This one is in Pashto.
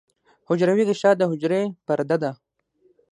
حجروی غشا د حجرې پرده ده